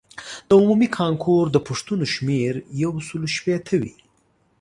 د عمومي کانکور د پوښتنو شمېر یو سلو شپیته وي.